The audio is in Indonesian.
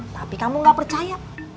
tapi kamu gak percaya